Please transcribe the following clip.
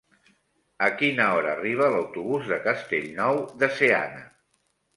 A quina hora arriba l'autobús de Castellnou de Seana?